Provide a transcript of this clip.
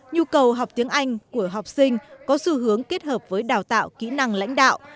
nhu cầu học tiếng anh của học sinh có xu hướng kết hợp với đào tạo kỹ năng lãnh đạo